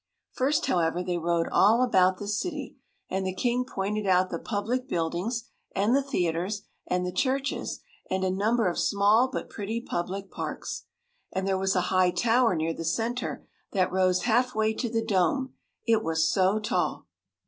First, however, they rode all about the city, and the king pointed out the public buildings, and the theaters, and the churches, and a number of small but pretty public parks. And there was a high tower near the center that rose half way to the dome, it was so tall.